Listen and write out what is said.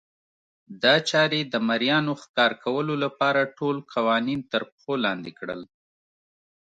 دا چارې د مریانو ښکار کولو لپاره ټول قوانین ترپښو لاندې کړل.